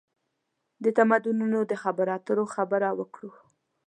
د تمدنونو د خبرواترو خبره وکړو.